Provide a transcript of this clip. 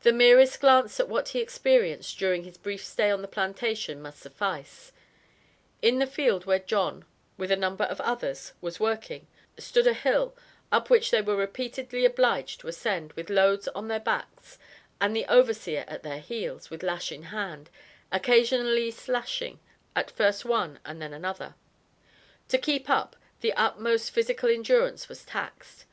The merest glance at what he experienced during his brief stay on the plantation must suffice. In the field where John, with a number of others was working, stood a hill, up which they were repeatedly obliged to ascend, with loads on their backs, and the overseer at their heels, with lash in hand, occasionally slashing at first one and then another; to keep up, the utmost physical endurance was taxed.